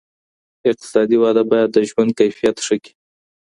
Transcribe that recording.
اقتصادي وده باید د ژوند کیفیت ښه کړي.